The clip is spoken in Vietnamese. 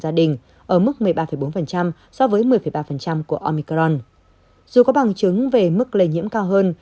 gia đình ở mức một mươi ba bốn so với một mươi ba của omicron dù có bằng chứng về mức lây nhiễm cao hơn